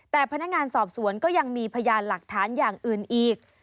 แต่พนักงานสอบสวนก็ยังมีพยานหลักฐานอย่างอื่นอีก